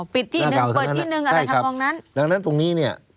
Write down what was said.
อ๋อปิดที่หนึ่งเปิดที่หนึ่งอันนั้นตรงนั้นตรงนี้เนี้ย